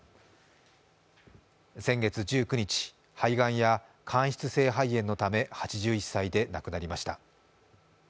先月１９日、肺がんや間質性肺炎のため、８１歳で亡くなりました。